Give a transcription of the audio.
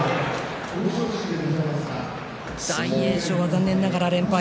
大栄翔は残念ながら連敗。